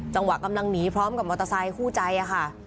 จังหวะกำลังหนีพร้อมกับมอเตอร์ไซค์ฮูใจค่ะ